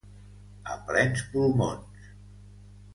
A plens pulmons.